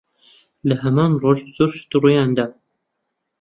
لە هەمان ڕۆژ، زۆر شت ڕوویان دا.